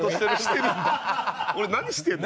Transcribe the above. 俺何してるんだ？